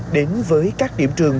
đến với các điểm trường